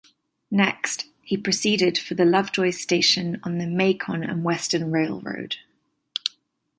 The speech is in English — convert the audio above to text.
Next, he proceeded for Lovejoy's Station on the Macon and Western Railroad.